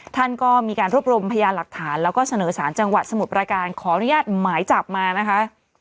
ท่านก็มีการรวบรวมพยานหลักฐานแล้วก็เสนอสารจังหวัดสมุทรประการขออนุญาตหมายจับมานะคะ